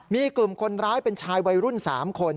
มีกลุ่มคนร้ายเป็นชายวัยรุ่น๓คน